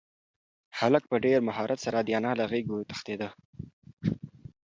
هلک په ډېر مهارت سره د انا له غېږې وتښتېد.